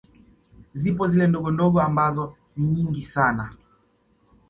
Zipo zile ndogondogo ambazo ni nyingi sana